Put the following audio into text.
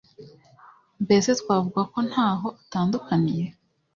mbese twavuga ko ntaho atandukaniye